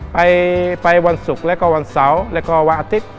ไปวันศุกร์ละก็วันสาวแล้วก็วันอาทิตย์